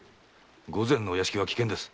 御前のお屋敷は危険です。